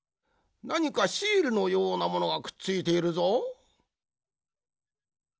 なにかシールのようなものがくっついているぞ。